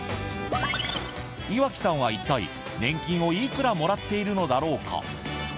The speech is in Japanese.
井脇さんは一体、年金をいくらもらっているのだろうか。